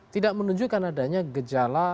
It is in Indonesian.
tidak menunjukkan adanya gejala